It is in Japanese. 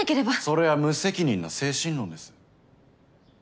それは無責任な精神論です。